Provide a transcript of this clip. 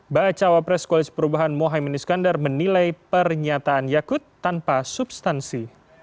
bacawa pres koalisi perubahan mohaimin iskandar menilai pernyataan yakut tanpa substansi